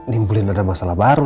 nimpulin ada masalah baru